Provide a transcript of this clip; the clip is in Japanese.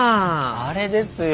あれですよ。